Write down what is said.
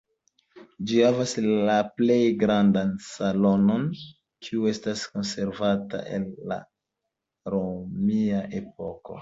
Ĝi havas la plej grandan salonon, kiu estas konservata el la romia epoko.